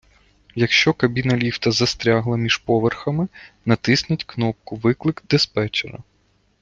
Якщо кабіна ліфта застрягла міжповерхами, натисніть кнопку Виклик диспетчера